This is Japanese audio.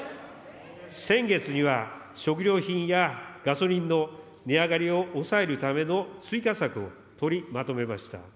先月には、食料品やガソリンの値上がりを抑えるための追加策を取りまとめました。